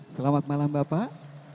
selamat malam bapak